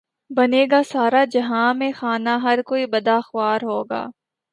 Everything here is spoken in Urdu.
بنے گا سارا جہان مے خانہ ہر کوئی بادہ خوار ہوگا